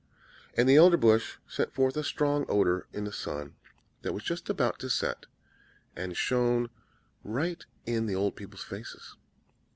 And the Elderbush sent forth a strong odour in the sun, that was just about to set, and shone right in the old people's faces.